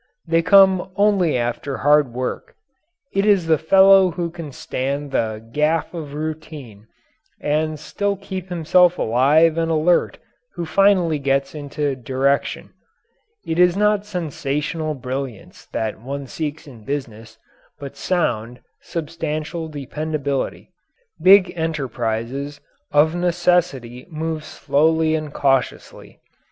They come only after hard work; it is the fellow who can stand the gaff of routine and still keep himself alive and alert who finally gets into direction. It is not sensational brilliance that one seeks in business, but sound, substantial dependability. Big enterprises of necessity move slowly and cautiously.